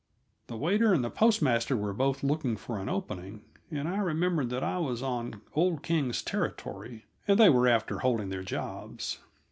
The waiter and the postmaster were both looking for an opening, and I remembered that I was on old King's territory, and that they were after holding their jobs.